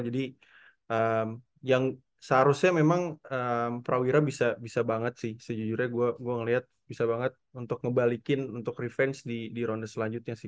jadi yang seharusnya memang prawira bisa banget sih sejujurnya gue ngeliat bisa banget untuk ngebalikin untuk revenge di ronde selanjutnya sih